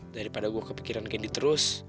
daripada gue kepikiran candy terus